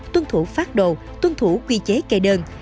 tuân thủ phát đồ tuân thủ quy chế kê đơn